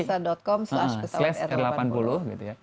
kitabisa com slash pesawater delapan puluh